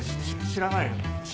知らないよ。